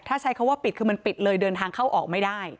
ถ้าใช้คำว่าปิดคือมันปิดเลยเดินทางเข้าออกไม่ได้